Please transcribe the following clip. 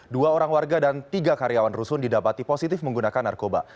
dua orang warga dan tiga karyawan rusun didapati positif menggunakan narkoba